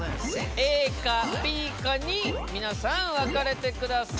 ＡかＢかに皆さん分かれて下さい。